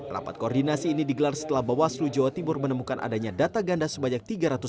rapat koordinasi ini digelar setelah bawaslu jawa timur menemukan adanya data ganda sebanyak tiga ratus sembilan puluh